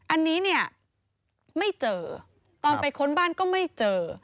อันนี้เนี่ยไม่เจอตอนไปค้นบ้านก็ไม่เจอ